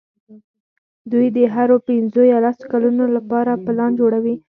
دوی د هرو پینځو یا لسو کلونو لپاره پلان جوړوي.